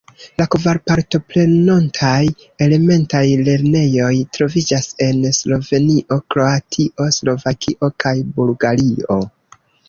La kvar partoprenontaj elementaj lernejoj troviĝas en Slovenio, Kroatio, Slovakio kaj Bulgario.